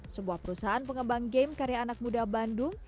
sebuah perusahaan pengembang game karya anak muda bandung